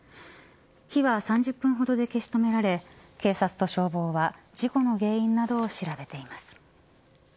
火は３０分ほどで消し止められ警察と消防は事故の原因などを調べています。